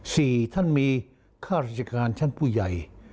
สี่ท่านมีค่าราชการชั้นผู้ใหญ่